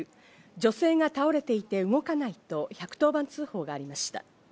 女性が倒れていて動かないと１１０番通報がありました。